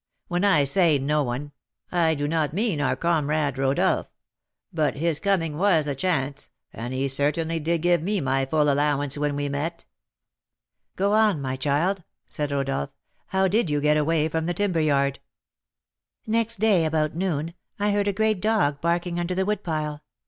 When I say no one, I do not mean our comrade Rodolph; but his coming was a chance, and he certainly did give me my full allowance when we met." "Go on, my child," said Rodolph. "How did you get away from the timber yard?" "Next day, about noon, I heard a great dog barking under the wood pile.